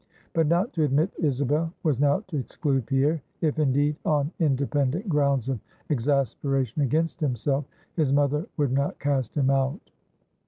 But not to admit Isabel, was now to exclude Pierre, if indeed on independent grounds of exasperation against himself, his mother would not cast him out.